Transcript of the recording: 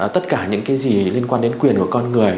tất cả những cái gì liên quan đến quyền của con người